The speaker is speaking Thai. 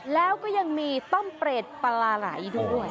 แล้วก็ยังมีต้มเปรตปลาไหลด้วย